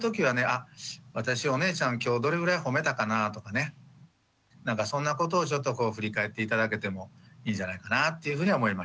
あ私お姉ちゃん今日どれぐらいほめたかなとかねなんかそんなことをちょっとこう振り返って頂けてもいいんじゃないかなっていうふうには思いました。